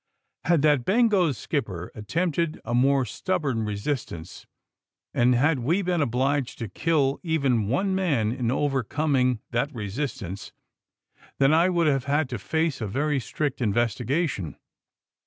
Had the ^Bengo's^ skipper attempted a more stubborn resistance, and had we been obliged to kill even one man in overcoming that resistance, then I v/ould have had to face a very strict investigation.